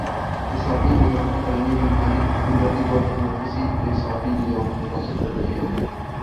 اعصابی نظام کی دائمی بیماری بنیادی طور پر مرکزی اعصابی نظام کو متاثر کرتی ہے